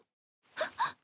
あっ。